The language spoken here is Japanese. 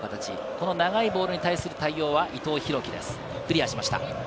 この長いボールに対する対応は伊藤洋輝です、クリアしました。